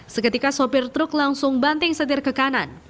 seketika sopir truk langsung banting setir ke kanan